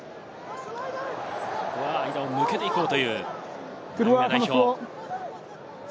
間を抜けていこうという、ナミビア代表。